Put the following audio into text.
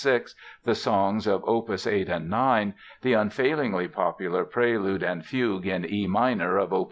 6, the songs of Op. 8 and 9, the unfailingly popular Prelude and Fugue in E minor, of Op.